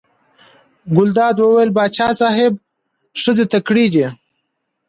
ګلداد وویل: پاچا صاحب ښځې تکړې دي.